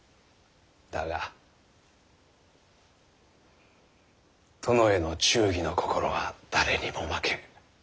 だが殿への忠義の心は誰にも負けん。